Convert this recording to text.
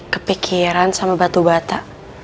kepikiran sama batu bata